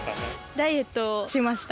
ダイエットしました。